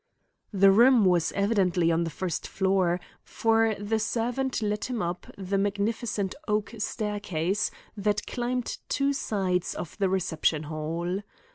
The room was evidently on the first floor, for the servant led him up the magnificent oak staircase that climbed two sides of the reception hall.